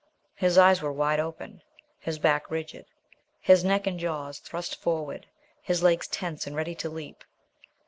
His eyes were wide open, his back rigid, his neck and jaws thrust forward, his legs tense and ready to leap.